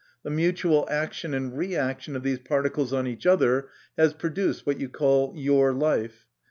The mutual action and reaction of these particles on each other has produced what you call your life.